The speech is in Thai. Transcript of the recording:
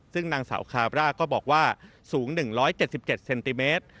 ซึ่งนางสาวคาบร่าก็บอกว่าสูง๑๗๗เซนติเมตร